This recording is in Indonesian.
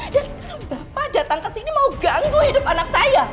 dan sekarang bapak datang kesini mau ganggu hidup anak saya